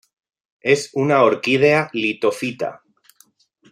Es una orquídea litofita.